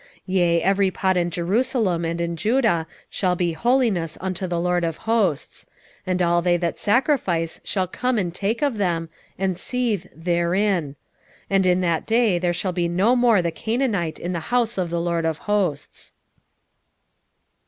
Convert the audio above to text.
14:21 Yea, every pot in Jerusalem and in Judah shall be holiness unto the LORD of hosts: and all they that sacrifice shall come and take of them, and seethe therein: and in that day there shall be no more the Canaanite in the house of the LORD of hosts.